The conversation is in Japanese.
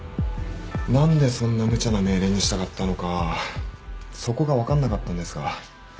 何でそんな無茶な命令に従ったのかそこが分かんなかったんですが